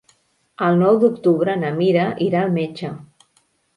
El nou d'octubre na Mira irà al metge.